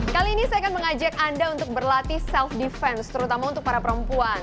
kali ini saya akan mengajak anda untuk berlatih self defense terutama untuk para perempuan